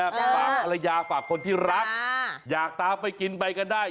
ฝากภรรยาฝากคนที่รักอยากตามไปกินไปกันได้